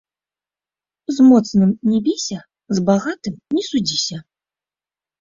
З моцным не біся, з багатым не судзіся